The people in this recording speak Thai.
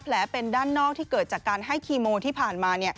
เป็นด้านนอกที่เกิดจากการให้คีโมที่ผ่านมา